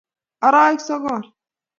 oroek sogol